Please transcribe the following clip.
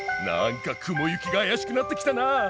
なんか雲行きが怪しくなってきたな。